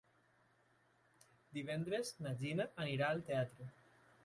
Divendres na Gina anirà al teatre.